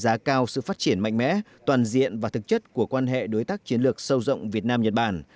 giá cao sự phát triển mạnh mẽ toàn diện và thực chất của quan hệ đối tác chiến lược sâu rộng việt nam nhật bản